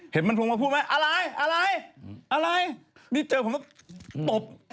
เห็นมันพูดมาพูดไหมอะไรอะไรอะไรนี่เจอผมแล้วตบ